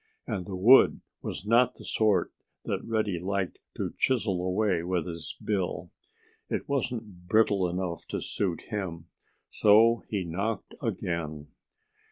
And the wood was not the sort that Reddy liked to chisel away with his bill. It wasn't brittle enough to suit him. So he knocked again.